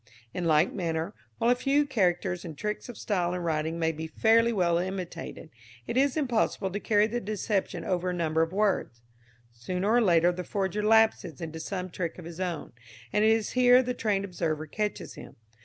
In like manner, while a few characters and tricks of style in writing may be fairly well imitated, it is impossible to carry the deception over a number of words. Sooner or later the forger lapses into some trick of his own, and it is here the trained observer catches him.